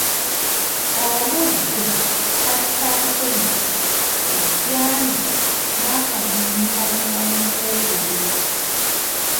Omuddo kattabuteme, ejjanzi n'akanyonyi kayibamukuukulu.